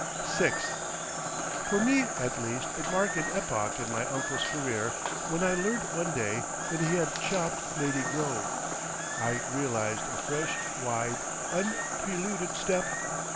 VI For me, at least, it marked an epoch in my uncle's career when I learnt one day that he had "shopped" Lady Grove. I realised a fresh, wide, unpreluded step.